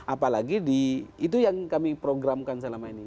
apalagi di itu yang kami programkan selama ini